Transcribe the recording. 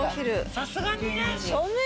さすがにね。